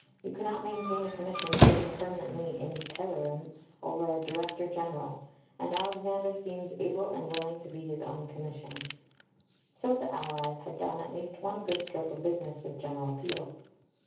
You cannot maintain a commission sitting permanently in terrorem over the Director General, and Alexander seems able and willing to be his own commission." So the allies had done at least one good stroke of business with General Peel.